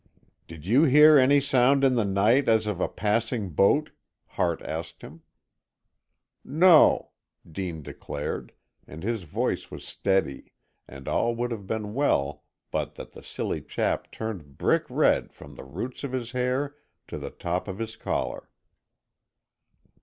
"Did you hear any sound in the night as of a passing boat?" Hart asked him. "No," Dean declared, and his voice was steady and all would have been well but that the silly chap turned brick red from the roots of his hair to the top of his collar.